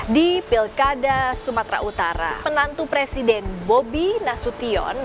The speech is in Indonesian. di pilkada sumatera utara penantu presiden bobi nasution